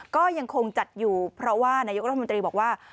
ก็ยังคงจัดอยู่เพราะว่านายกรัฐมนตรีบอกว่า